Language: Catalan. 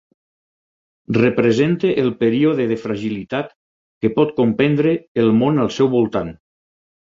Representa el període de fragilitat que pot comprendre el món al seu voltant.